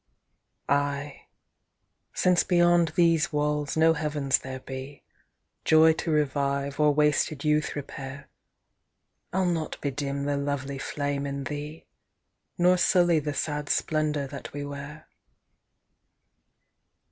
Ay, since beyond these walls no heavens there be, Joy to revive or wasted youth repair, I'll not bedim the lovely flame in thee, Nor sully the sad splendour that we wear.